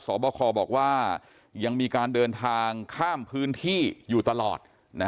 บคบอกว่ายังมีการเดินทางข้ามพื้นที่อยู่ตลอด